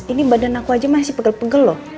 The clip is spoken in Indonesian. ini badan aku aja masih pegel pegel loh